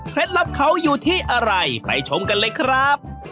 ลับเขาอยู่ที่อะไรไปชมกันเลยครับ